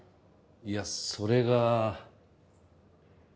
いやそれが。